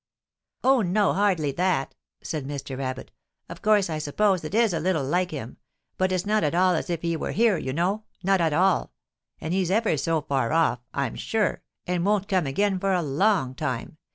"'Oh, no, hardly that,' said Mr. Rabbit. 'Of course I suppose it is a little like him, but it's not at all as if he were here, you know not at all and he's ever so far off, I'm sure, and won't come again for a long time.